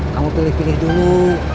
kamu pilih pilih dulu